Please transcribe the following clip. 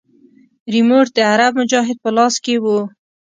ريموټ د عرب مجاهد په لاس کښې و.